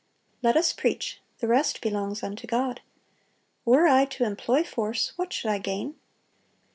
Let us preach; the rest belongs unto God. Were I to employ force, what should I gain?